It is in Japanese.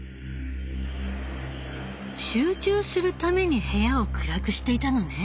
集中するために部屋を暗くしていたのね。